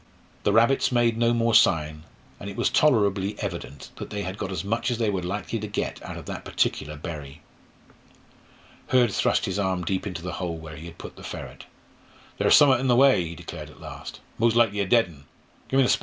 The rabbits made no more sign, and it was tolerably evident that they had got as much as they were likely to get out of that particular "bury." Hurd thrust his arm deep into the hole where he had put the ferret. "Ther's summat in the way," he declared at last. "Mos' likely a dead un.